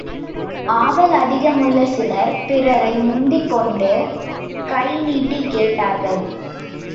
ஆவல் அதிகமுள்ள சிலர், பிறரை முந்திக்கொண்டு, கைநீட்டிக் கேட்டார்கள்.